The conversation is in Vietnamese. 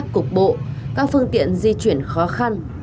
cục bộ các phương tiện di chuyển khó khăn